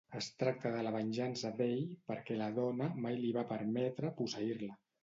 Es tracta de la venjança d'ell perquè la dona mai li va permetre posseir-la.